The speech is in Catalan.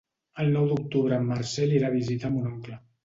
El nou d'octubre en Marcel irà a visitar mon oncle.